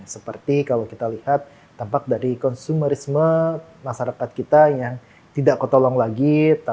seperti kalau kita lihat tampak dari konsumerisme masyarakat kita yang tidak ketolong lagi